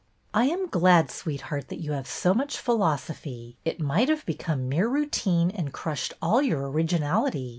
I am glad, sweetheart, that you have so much philosophy. It might have become mere routine and crushed all your originality.